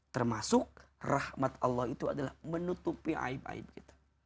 termasuk rahmat allah itu adalah menutupi aib aib kita